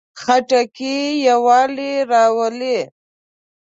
خټکی یووالی راولي.